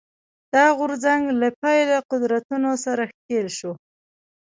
دا غورځنګ له پیله قدرتونو سره ښکېل شو